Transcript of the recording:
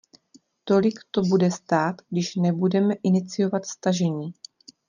Tolik to bude stát, když nebudeme iniciovat stažení.